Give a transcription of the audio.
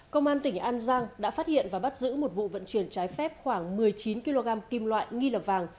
công an tỉnh an giang đã phát hiện và bắt giữ một vụ vận chuyển trái phép khoảng một mươi chín kg kim loại nghi lập vàng